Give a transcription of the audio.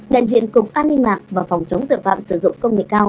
đại diện cục an ninh mạng và phòng chống tội phạm sử dụng công nghệ cao